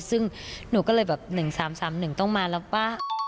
ซึ่งหนูก็เลยแบบ๑๓๓๑ต้องมาแล้วป่ะ